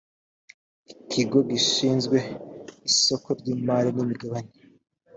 ikigo gishinzwe isoko ry imari n imigabane